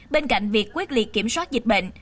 bên cạnh việc quyết liệt kiểm soát dịch bệnh